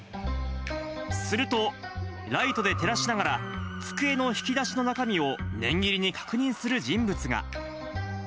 すると、ライトで照らしながら、机の引き出しの中身を念入りに確認する人物が。